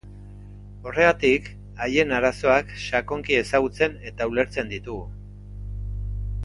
Horregatik, haien arazoak sakonki ezagutzen eta ulertzen ditugu.